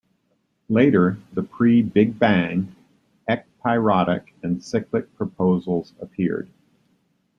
Later, the pre-big bang, ekpyrotic and cyclic proposals appeared.